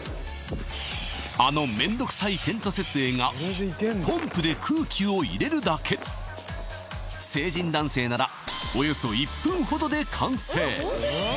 あの面倒くさいテント設営がポンプで空気を入れるだけ成人男性ならおよそ１分ほどで完成